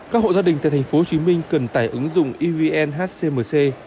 các hộ gia đình tại tp hcm cần tải ứng dụng evnhcmc